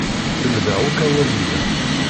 Lemdeɣ akk awalen-a.